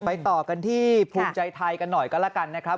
ต่อกันที่ภูมิใจไทยกันหน่อยก็แล้วกันนะครับ